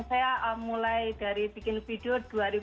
iseng saya mulai dari bikin video dua ribu empat belas